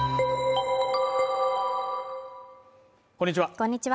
こんにちは